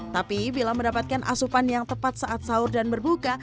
tapi bila mendapatkan asupan yang tepat saat sahur dan berbuka